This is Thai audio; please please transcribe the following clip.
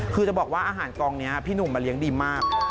คือจะบอกว่าอาหารกองนี้พี่หนุ่มมาเลี้ยงดีมาก